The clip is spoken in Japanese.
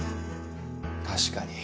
確かに。